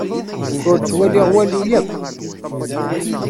Ur ttwaliɣ walu akk.